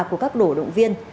của các đổ động viên